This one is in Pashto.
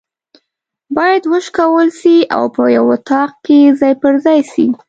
بايد وشکول سي او په یو اطاق کي ځای پر ځای سي